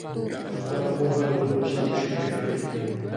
خپله پوهه له نورو سره شریکه کړئ.